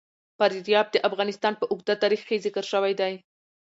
فاریاب د افغانستان په اوږده تاریخ کې ذکر شوی دی.